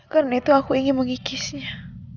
karena itu aku ingin mengikisnya